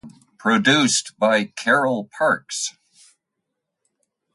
Produced by Carol Parks.